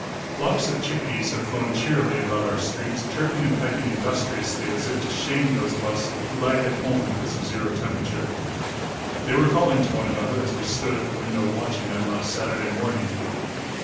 Flocks of chickadees have flown cheerily about our streets, chirping and pecking industriously, as if to shame those of us who lagged at home because of zero temperature. They were calling to one another as we stood at the window watching them last Saturday morning.